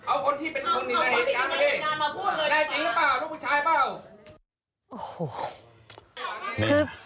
โอ้โห